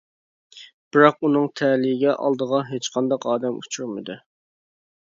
بىراق ئۇنىڭ تەلىيىگە ئالدىغا ھېچقانداق ئادەم ئۇچرىمىدى.